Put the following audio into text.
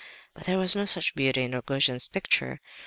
But there was no such beauty in Rogojin's picture.